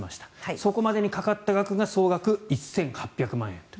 そこまでにかかった額が総額１８００万円と。